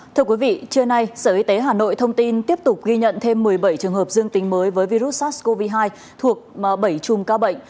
thưa quý vị trưa nay sở y tế hà nội thông tin tiếp tục ghi nhận thêm một mươi bảy trường hợp dương tính với virus sars cov hai thuộc bảy chùm ca bệnh